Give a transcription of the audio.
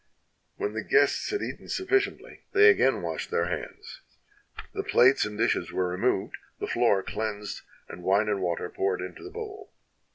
When the guests had eaten sufficiently, they again 194 WHY PHANES WAS EXILED washed their hands; the plates and dishes were removed, the floor cleansed, and wine and water poured into the bowl.